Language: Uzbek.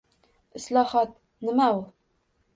«Islohot — nima u?»